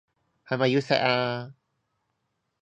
係咪要錫啊？